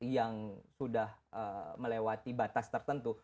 yang sudah melewati batas tertentu